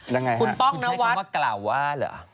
ยังไงคุณใช้คำว่ากล่าวว่าเหรอ